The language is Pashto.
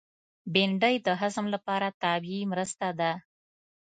بېنډۍ د هضم لپاره طبیعي مرسته ده